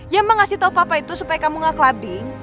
ya mbak ngasih tahu papa itu supaya kamu gak ke labing